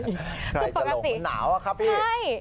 ใช่จะลงเหมือนหนาวอ่ะครับพี่